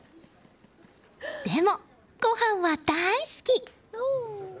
でも、ごはんは大好き。